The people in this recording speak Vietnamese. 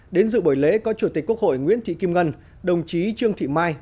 đến dự buổi lễ có chủ tịch quốc hội nguyễn thị kim ngân đồng chí trương thị mai